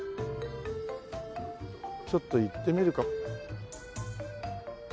ちょっと行ってみるか。